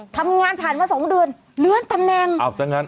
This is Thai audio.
ทำงานผ่านมา๒เดือนเลือนตำแหน่ง